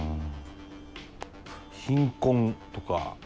貧困とか？